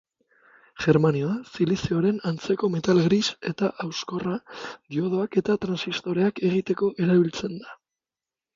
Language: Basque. Germanioa, silizioaren antzeko metal gris eta hauskorra, diodoak eta transistoreak egiteko erabiltzen da.